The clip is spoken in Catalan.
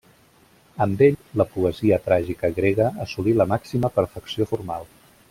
Amb ell, la poesia tràgica grega assolí la màxima perfecció formal.